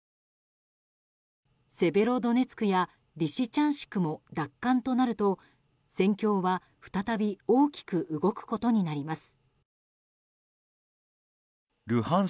セベロドネツクやリシチャンシクも奪還となると戦況は再び大きく動くことになります。